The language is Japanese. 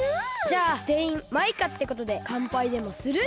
じゃあぜんいんマイカってことでかんぱいでもする？